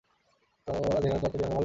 তোমার ডিনারের দাওয়াতটা কি এখনো বহাল আছে?